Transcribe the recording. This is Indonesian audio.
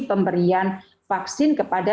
pemberian vaksin kepada